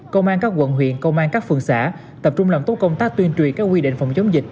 công an các quận huyện công an các phường xã tập trung làm tốt công tác tuyên truyền các quy định phòng chống dịch